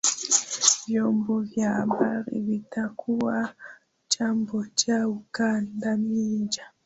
vyombo vya habari vitakuwa chombo cha ukandamizaji